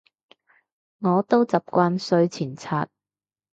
我都習慣睡前刷